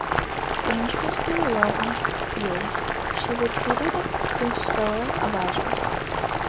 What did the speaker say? Dangerously low on fuel, she retreated to Soerabaja.